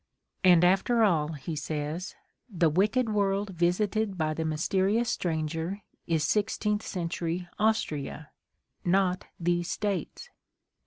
'' And, after all, he says, "the wicked world visited by the mysterious stranger is sixteenth century Austria — not these States."